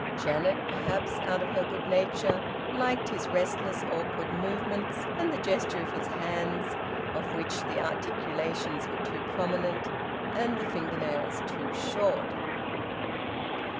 Janet, perhaps out of her good nature, liked his restless, awkward movements and the gesture of his hands, of which the articulations were too prominent, and the finger nails too short.